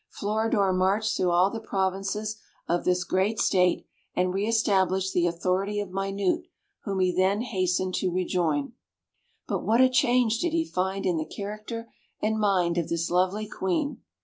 Floridor marched through all the provinces of this great state, and re established the authority of Minute, whom he then hastened to rejoin. But what a change did he find in the character and mind of this lovely Queen?